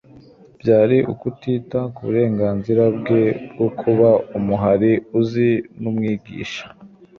byari ukutita ku burengarizira bwe bwo kuba Umuhariuzi n'Umwigisha;